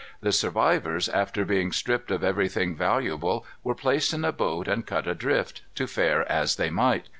The survivors, after being stripped of everything valuable, were placed in a boat and cut adrift, to fare as they might.